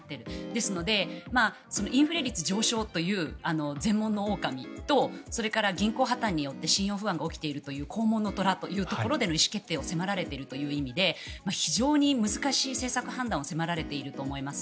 ですので、インフレ率上昇という前門のオオカミとそれから銀行破たんが起きて信用不安が起きている後門の虎というところでの意思決定を迫られているという意味で非常に難しい政策判断を迫られていると思います。